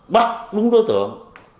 bắt đúng đối tượng